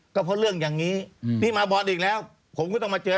ก็เพราะเรื่องอย่างนี้นี่มาบอลอีกแล้วผมก็ต้องมาเจอ